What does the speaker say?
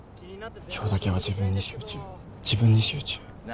今日だけは自分に集中自分に集中な